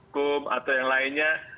kum atau yang lainnya